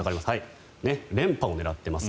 連覇を狙ってます